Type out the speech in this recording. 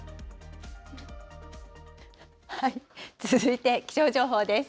続いて気象情報です。